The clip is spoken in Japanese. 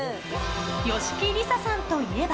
吉木りささんといえば。